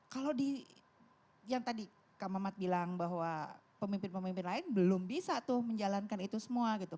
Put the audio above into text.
kalau di yang tadi kak mamat bilang bahwa pemimpin pemimpin lain belum bisa tuh menjalankan itu semua gitu